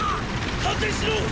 反転しろォ！